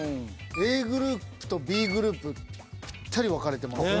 ＡグループとＢグループぴったり分かれてますね。